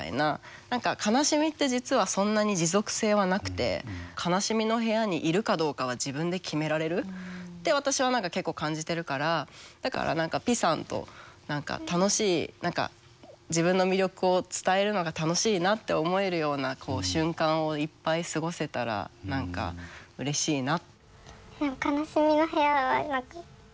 何か悲しみって実はそんなに持続性はなくて悲しみの部屋にいるかどうかは自分で決められるって私は結構感じてるからだからピさんと何か楽しい何か自分の魅力を伝えるのが楽しいなって思えるような瞬間をいっぱい過ごせたら何かうれしいな。